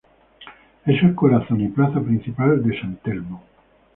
Es el corazón y plaza principal de San Telmo.